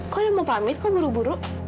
kok udah mau pamit kok buru buru